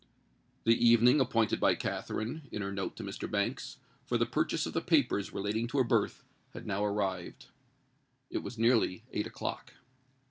The evening appointed by Katherine, in her note to Mr. Banks, for the purchase of the papers relating to her birth, had now arrived. It was nearly eight o'clock.